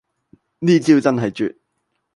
呢招真係絕